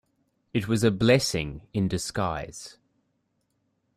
It was a blessing in disguise.